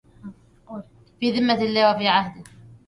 في ذمة الله وفي عهده